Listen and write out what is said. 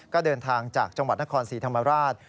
ก็เดินทางจากจังหวัดนครศรีธรรมราช